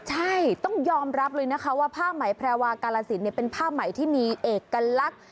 ใช่ต้องยอมรับว่าผ้าหมายแผลวากาลสินเป็นผ้าหมายที่มีเอกลักษณ์